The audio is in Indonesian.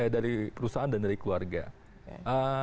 dari perusahaan dan dari keluarga